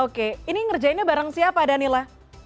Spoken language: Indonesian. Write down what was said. oke ini ngerjainnya bareng siapa danila